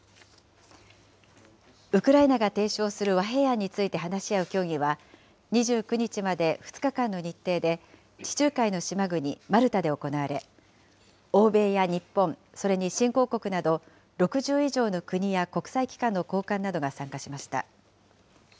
ウクライナが提唱する和平案について話し合う協議は、２９日まで２日間の日程で、地中海の島国マルタで行われ、欧米や日本、それに新興国など６０以上の国や国際機関の高官などが参加しました。